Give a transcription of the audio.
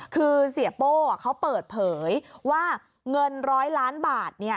คือเสียโป้เขาเปิดเผยว่าเงิน๑๐๐ล้านบาท